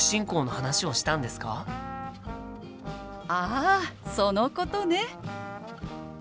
あそのことね！